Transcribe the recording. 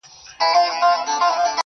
• ستا د يادونو فلسفې ليكلي.